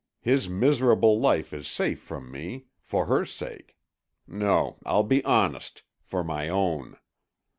His miserable life is safe from me, for her sake—no, I'll be honest: for my own.